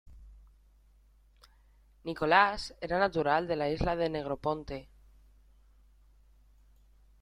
Nicolás era natural de la isla de Negroponte.